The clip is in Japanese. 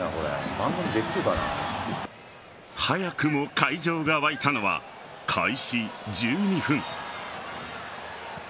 早くも会場が沸いたのは開始１２分。